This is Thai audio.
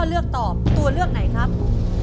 แล้วพ่อเลือกตอบตัวเลือกไหนครับ